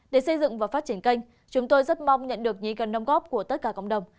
để xây dựng và phát triển kênh chúng tôi rất mong nhận được nhí cần nông góp của tất cả cộng đồng